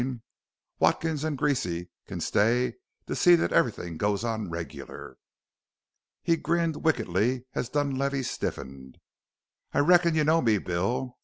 Watkins an' Greasy c'n stay to see that everything goes on regular." He grinned wickedly as Dunlavey stiffened. "I reckon you know me, Bill.